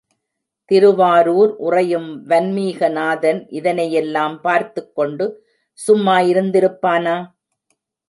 திருவாரூர் உறையும் வன்மீகநாதன் இதனையெல்லாம் பார்த்துக்கொண்டு சும்மா இருந்திருப்பானா?